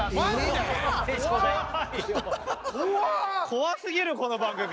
怖すぎるこの番組。